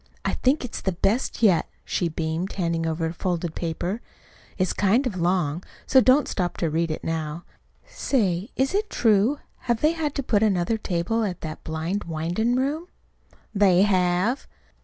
I think it's the best yet," she beamed, handing over a folded paper. "It's kind of long, so don't stop to read it now. Say, is it true? Have they had to put in another table at that blind windin' room?" "They have."